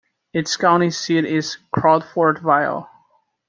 Its county seat is Crawfordville.